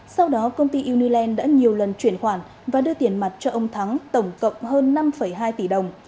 sau đó công ty uniland đã nhiều lần chuyển khoản và đưa tiền mặt cho ông thắng tổng cộng hơn năm hai tỷ đồng